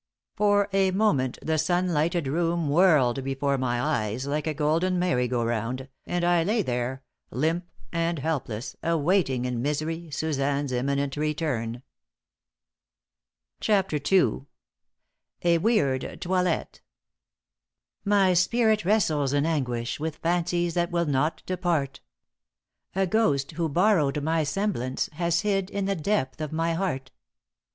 For a moment the sun lighted room whirled before my eyes like a golden merry go round, and I lay there, limp and helpless, awaiting in misery Suzanne's imminent return. *CHAPTER II.* *A WEIRD TOILETTE.* My spirit wrestles in anguish With fancies that will not depart; A ghost who borrowed my semblance Has hid in the depth of my heart.